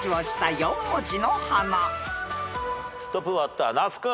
トップバッター那須君。